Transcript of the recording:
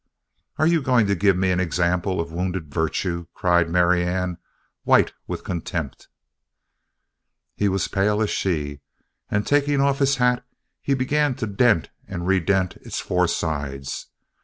"Are you going to give me an example of wounded virtue?" cried Marianne, white with contempt. He was as pale as she, and taking off his hat he began to dent and re dent its four sides.